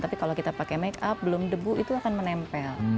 tapi kalau kita pakai make up belum debu itu akan menempel